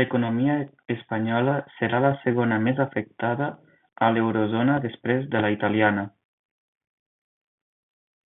L'economia espanyola serà la segona més afectada a l'eurozona després de la italiana.